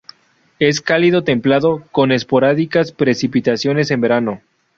Es cálido templado, con esporádicas precipitaciones en verano.